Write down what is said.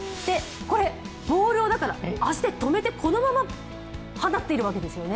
これ、ボールをだから足で止めて、このまま放っているわけですよね。